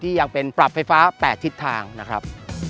ยังเป็นปรับไฟฟ้า๘ทิศทางนะครับ